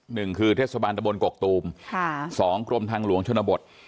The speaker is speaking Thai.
หนึ่งคือเทศบาลตะบนกกตูมค่ะสองกรมทางหลวงชนบท